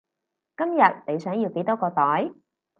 今日你想要幾多個袋？